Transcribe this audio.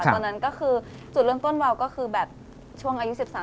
ตอนนั้นก็คือจุดเริ่มต้นวาวก็คือแบบช่วงอายุ๑๓